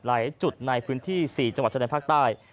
หลายจุดในพื้นที่๔จังหวัดชายแดนภาคใต้